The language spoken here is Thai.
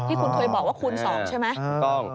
ที่คุณเคยบอกว่าคูณ๒ใช่ไหม